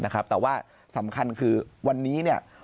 แต่ว่าสำคัญวันนี้